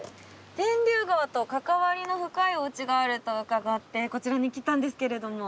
天竜川と関わりの深いおうちがあると伺ってこちらに来たんですけれども。